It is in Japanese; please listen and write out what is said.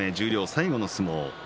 最後の相撲